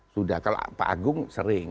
sudah kalau pak agung sering